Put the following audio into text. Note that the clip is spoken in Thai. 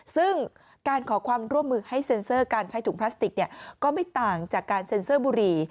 ซึ่งการขอความร่วมมือให้เซ็นเซอร์การใช้ถุงพลาสติกก็ไม่ต่างจากการเซ็นเซอร์บุหรี่